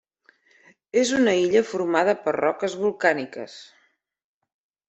És una illa formada per roques volcàniques.